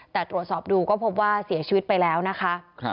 แต่ตรวจสอบดูก็พบว่าเสียชีวิตไปแล้วนะคะ